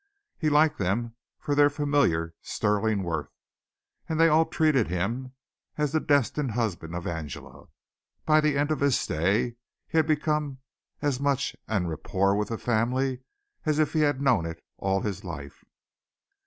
He liked them for their familiar, sterling worth. And they all treated him as the destined husband of Angela. By the end of his stay he had become as much en rapport with the family as if he had known it all his life.